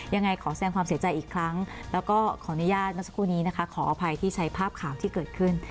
ยังไงขอแสดงความเสียใจอีกครั้งแล้วก็ขออนุญาตเมื่อสักครู่นี้นะคะขออภัยที่ใช้ภาพข่าวที่เกิดขึ้น